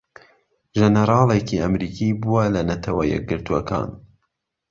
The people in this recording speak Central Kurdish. ژەنەڕاڵێکی ئەمریکی بووە لەنەتەوەیەکگرتوەکان